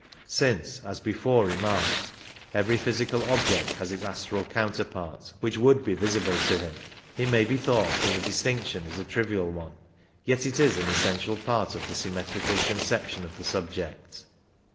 Since, as before remarked, every physical object has its i6 astral counterpart, which would be visible to him, it may be thought that the distinction is a trivial one, yet it is an essential part of the symmetrical conception of the subject.